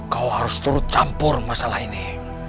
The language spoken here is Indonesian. kau harus turut campur masalah ini